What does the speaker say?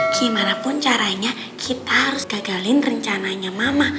gimanapun caranya kita harus gagalin rencananya mama